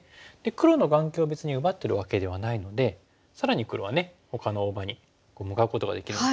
黒の眼形を別に奪ってるわけではないので更に黒はほかの大場に向かうことができます。